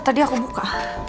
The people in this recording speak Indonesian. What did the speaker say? tadi aku buka